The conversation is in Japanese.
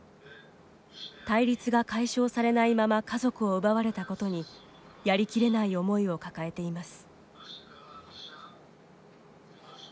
対立が解消されないまま家族を奪われたことにやりきれない思いを抱えています。